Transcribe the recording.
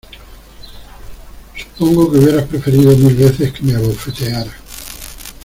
supongo que hubiera preferido mil veces que me abofeteara